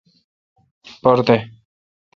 پر دد۔